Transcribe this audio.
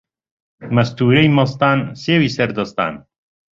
مەستوورەی مەستان سێوی سەر دەستان